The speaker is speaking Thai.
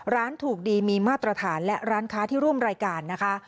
ร้านถูกดีมีมาตรฐานและร้านค้าที่ร่วมรายการนะคะ